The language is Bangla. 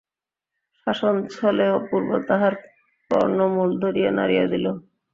শাসনচ্ছলে অপূর্ব তাহার কর্ণমূল ধরিয়া নাড়িয়া দিল।